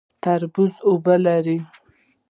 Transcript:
تربوز اوبه لري